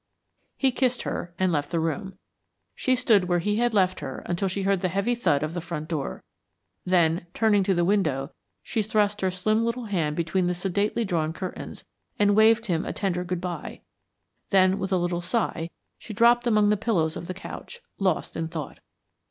He kissed her, and left the room. She stood where he had left her until she heard the heavy thud of the front door. Then, turning to the window, she thrust her slim little hand between the sedately drawn curtains, and waved him a tender good by; then with a little sigh, she dropped among the pillows of the couch, lost in thought.